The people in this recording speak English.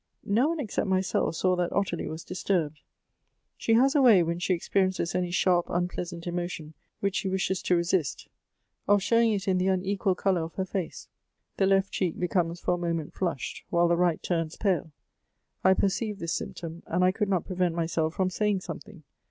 " No one except myself saw that Ottilie was disturbed. She has a way when she experiences any sharp unpleasant emotion which she wishes to resist, of showing it in the unequal color of her face ; the left check becomes for a moment flushed, while the right turns pale. I perceived this symptom, and I could not prevent myself from saying something.